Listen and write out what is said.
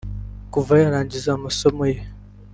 Kuva yarangiza amasomo ye